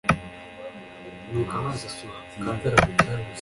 Nuko amazi ashyuha ako kanya